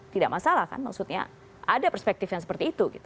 tidak masalah kan maksudnya ada perspektif yang seperti itu